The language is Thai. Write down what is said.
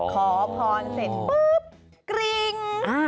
ขอพรเสร็จปุ๊บกริ่ง